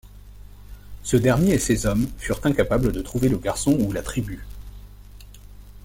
Ce dernier et ses hommes furent incapables de trouver le garçon ou la tribu.